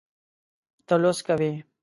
ته لوست کوې